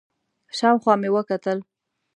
شاوخوا مې وکتل،